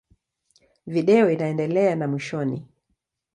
Video inaendelea na mwishoni.